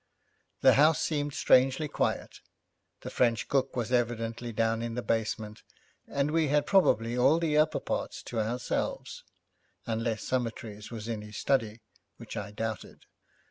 The house seemed strangely quiet. The French cook was evidently down in the basement, and we had probably all the upper part to ourselves, unless Summertrees was in his study, which I doubted.